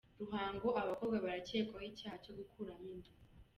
Ruhango abakobwa Barakekwaho icyaha cyo gukuramo inda